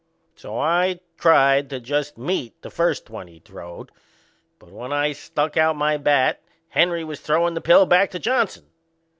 So I tried to just meet the first one he throwed; but when I stuck out my bat Henry was throwin' the pill back to Johnson.